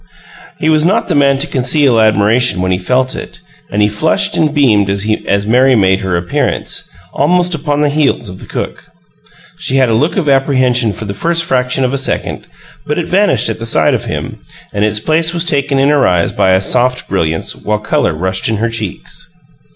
He was not the man to conceal admiration when he felt it, and he flushed and beamed as Mary made her appearance, almost upon the heels of the cook. She had a look of apprehension for the first fraction of a second, but it vanished at the sight of him, and its place was taken in her eyes by a soft brilliance, while color rushed in her cheeks.